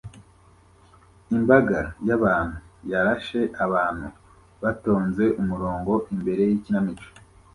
Imbaga y'abantu yarashe abantu batonze umurongo imbere yikinamico